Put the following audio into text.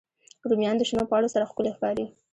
رومیان د شنو پاڼو سره ښکلي ښکاري